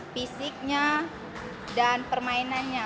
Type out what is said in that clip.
pesannya dan permainannya